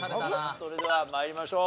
それでは参りましょう。